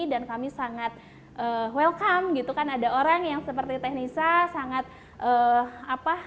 dan kami sangat welcome gitu kan ada orang yang seperti teknisa sangat apa